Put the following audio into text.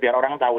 biar orang tau